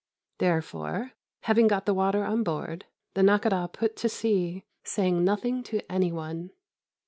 Therefore, having got the water on board, the Nakhôdah put to sea, saying nothing to any one.